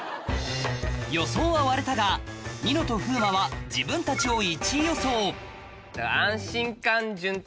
予想は割れたがニノと風磨は自分たちを１位予想